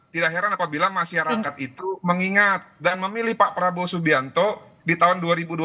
tidak heran apabila masyarakat itu mengingat dan memilih pak prabowo subianto di tahun dua ribu dua puluh empat